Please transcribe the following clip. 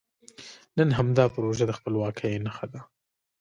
نن همدا پروژه د خپلواکۍ نښه ده.